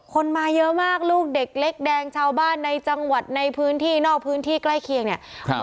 คนมาเยอะมากลูกเด็กเล็กแดงชาวบ้านในจังหวัดในพื้นที่นอกพื้นที่ใกล้เคียงเนี่ยครับ